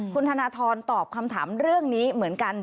คุณธนทรตอบคำถามเรื่องนี้เหมือนกัน